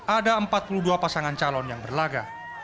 ada empat puluh dua pasangan calon yang berlaga